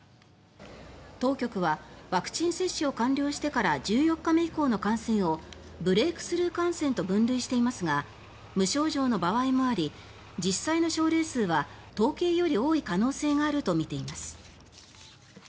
当局はワクチン接種を完了してから１４日目以降の感染をブレークスルー感染と分類していますが無症状の場合もあり実際の症例数は統計より多い可能性があるとみています。